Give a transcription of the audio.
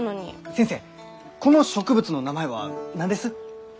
先生この植物の名前は何です？